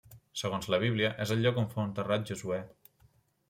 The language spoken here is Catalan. Segons la Bíblia, és el lloc on fou enterrat Josuè.